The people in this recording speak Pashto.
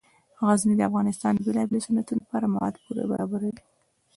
غزني د افغانستان د بیلابیلو صنعتونو لپاره مواد پوره برابروي.